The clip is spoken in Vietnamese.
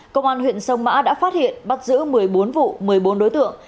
công an huyện sông mã đã phát hiện bắt giữ một mươi bốn vụ một mươi bốn đối tượng